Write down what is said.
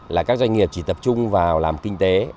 là các doanh nghiệp chỉ tập trung vào làm kinh tế